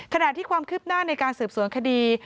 ขณะที่ความคืบหน้าในการสืบสวนคดี